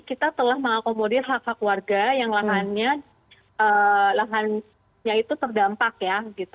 untuk mengakomodir hak hak warga yang lahannya terdampak ya